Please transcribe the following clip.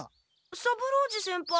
三郎次先輩。